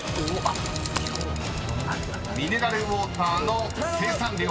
［ミネラルウォーターの生産量